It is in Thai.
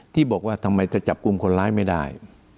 ที่บอกว่าทำไมจะจับกลุ่มคนร้ายไม่ได้